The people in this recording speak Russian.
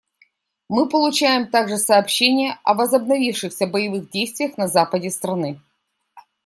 Мы получаем также сообщения о возобновившихся боевых действиях на западе страны.